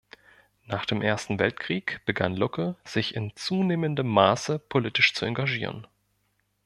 Nach dem Ersten Weltkrieg begann Lucke sich in zunehmendem Maße politisch zu engagieren.